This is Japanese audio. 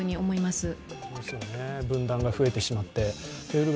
そうですよね、分断が増えてしまって。